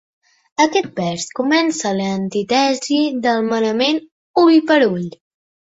Aquest vers comença l'antítesi del manament "Ull per ull".